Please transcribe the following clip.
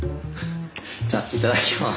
じゃあいただきます。